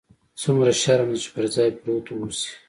څومره شرم دى چې پر ځاى پروت اوسې.